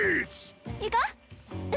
行こう。